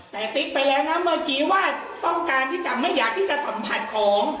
แต่ติ๊กไปแล้วนะเมื่อกี้ว่าต้องการที่จะไม่อยากที่จะสัมผัสของ